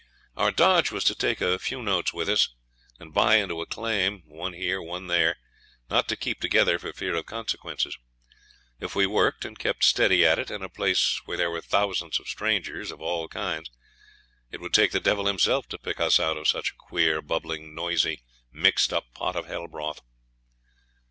Our dodge was to take a few notes with us, and buy into a claim one here, one there not to keep together for fear of consequences. If we worked and kept steady at it, in a place where there were thousands of strangers of all kinds, it would take the devil himself to pick us out of such a queer, bubbling, noisy, mixed up pot of hell broth.